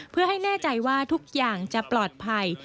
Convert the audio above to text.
เพื่อให้แน่ใจว่าทุกอย่างจะปลอดภัย